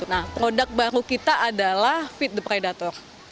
nah produk baru kita adalah feed the predator